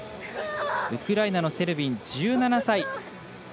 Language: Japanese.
ウクライナのセルビン、１７歳。